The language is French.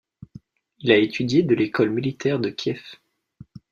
Il a étudié de l'école militaire de Kiev.